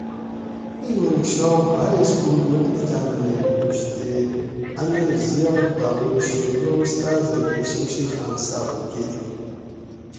ایں ورکشاپ ھائ اسکول مٹلتان مئ ہوش تے ان مئ زیات تعاون شیراللّٰہ استازہ تے شمشی خان صابہ کیر